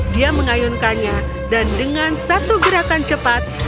dia mengayunkannya dan dengan satu gerakan cepat